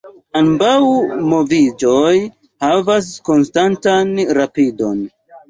Ambaŭ moviĝoj havas konstantan rapidon.